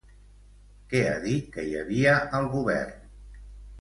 Què ha dit que hi havia al govern?